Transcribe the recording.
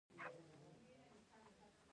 د هلمند په ګرمسیر کې د رخام نښې شته.